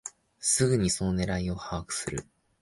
すぐにその狙いを把握する